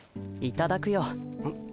いただくよ。